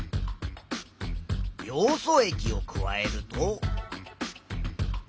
ヨウ素液を加えると。